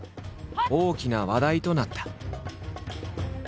大きな話題となった。